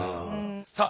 さあ。